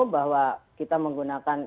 bahwa kita menggunakan